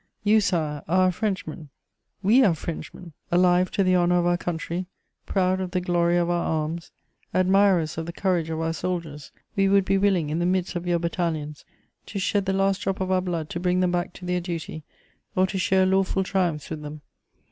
You, Sire, are a Frenchman, we are Frenchmen! Alive to the honour of our country, proud of the glory of our arms, admirers of the courage of our soldiers, we would be willing, in the midst of your battalions, to shed the last drop of our blood to bring them back to their duty or to share lawful triumphs with them.